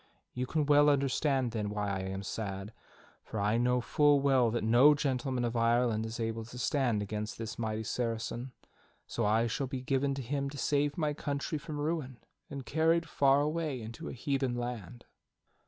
You can well understand, then, why I am sad, for I know full well that no gentleman of Ireland is able to stand against this mighty Saracen, so I shall be given to him to save my country from ruin, and carried far away into a heathen land."